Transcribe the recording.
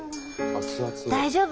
大丈夫？